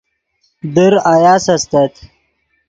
در آیاس استت